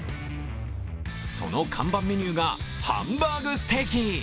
その看板メニューがハンバーグステーキ。